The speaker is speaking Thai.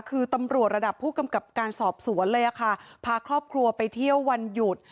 คือตำรวจระดับผู้กำกับการสอบสวนเลยค่ะพาครอบครัวไปเที่ยววันหยุด